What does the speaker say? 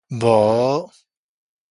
無